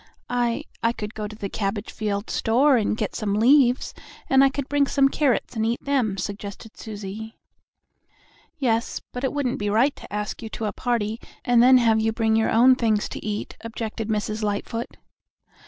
"I I could go to the cabbage field store and get some leaves, and I could bring some carrots and eat them," suggested Susie. "Yes, but it wouldn't be right to ask you to a party and then have you bring your own things to eat," objected Mrs. Lightfoot.